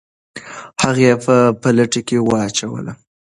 هغه یې په بالټي کې واچوله.